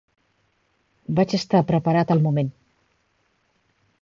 Vaig estar preparat al moment.